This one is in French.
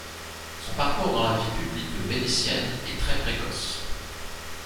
Son parcours dans la vie publique vénitienne est très précoce.